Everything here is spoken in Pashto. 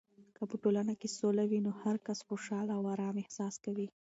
که په ټولنه کې سوله وي، نو هرکس خوشحال او ارام احساس کوي.